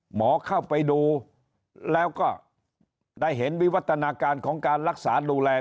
หมอเข้าไปดูแล้วก็ได้เห็นวิวัฒนาการของการรักษาดูแล